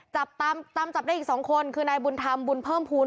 จับตามจับได้อีก๒คนคือนายบุญธรรมบุญเพิ่มภูมิ